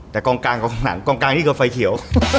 แต่กองกลางกองหนังกองกลางนี่คือไฟเขียว